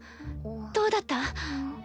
どうだった？